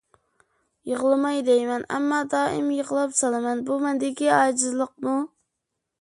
يىغلىماي دەيمەن، ئەمما دائىم يىغلاپ سالىمەن. بۇ مەندىكى ئاجىزلىقمۇ؟